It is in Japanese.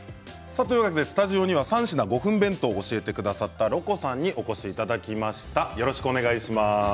スタジオには３品５分弁当を教えてくださったろこさんにお越しいただきました。